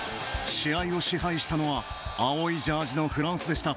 試合を支配したのは青いジャージのフランスでした。